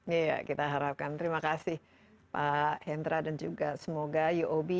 iya kita harapkan terima kasih pak hendra dan juga semoga uob